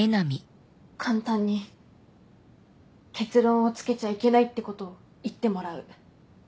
簡単に結論をつけちゃいけないってことを言ってもらう。